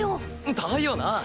だよな。